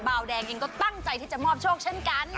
วแดงเองก็ตั้งใจที่จะมอบโชคเช่นกัน